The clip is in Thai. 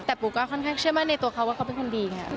แต่ปูก็ค่อนข้างเชื่อมั่นในตัวเขาว่าเขาเป็นคนดีไง